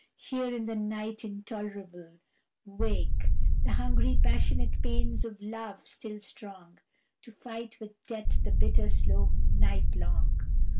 Here, in the night intolerable, wake The hungry passionate pains of Love still strong To fight with death the bitter slow night long.